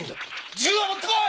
銃を持ってこい！